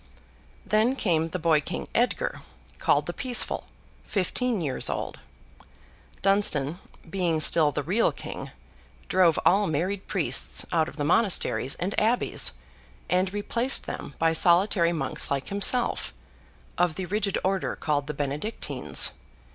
Then came the boy king, Edgar, called the Peaceful, fifteen years old. Dunstan, being still the real king, drove all married priests out of the monasteries and abbeys, and replaced them by solitary monks like himself, of the rigid order called the Benedictines.